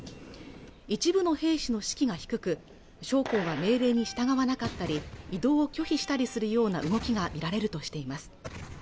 一部の兵士の士気が低く将校は命令に従わなかったり移動を拒否したりするような動きが見られるとしています